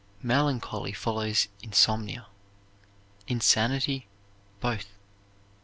Melancholy follows insomnia; insanity, both.